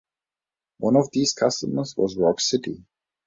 One of these customers was Rock City.